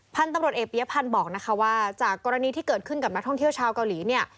พันธุ์ตำรวจเอกปียพันธ์บอกนะคะว่าจากกรณีที่เกิดขึ้นกับนักท่องเที่ยวชาวเกาหลีเนี่ย